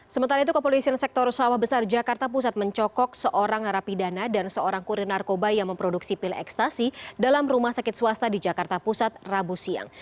sementara itu kepolisian sektor sawah besar jakarta pusat mencokok seorang narapidana dan seorang kurir narkoba yang memproduksi pil ekstasi dalam rumah sakit swasta di jakarta pusat rabu siang